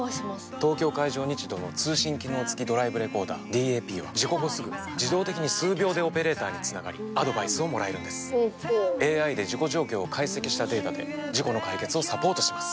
東京海上日動の通信機能付きドライブレコーダーＤＡＰは事故後すぐ自動的に数秒でオペレーターにつながりアドバイスをもらえるんですＡＩで事故状況を解析したデータで事故の解決をサポートします